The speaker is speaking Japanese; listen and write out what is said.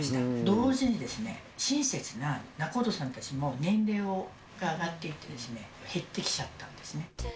同時に親切な仲人さんたちも年齢が上がっていって、減ってきちゃったんですね。